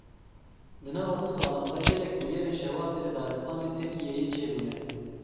Di nava du salan de gelek bûyerên şewatê li daristanên Tirkiyeyê çêbûne.